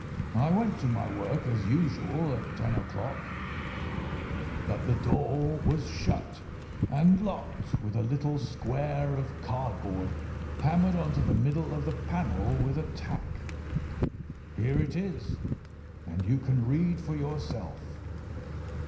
I went to my work as usual at ten o'clock, but the door was shut and locked, with a little square of cardboard hammered on to the middle of the panel with a tack. Here it is, and you can read for yourself."